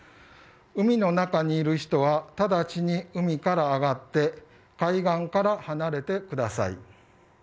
海の中にいる人は直ちに海から上がって海岸から離れてください。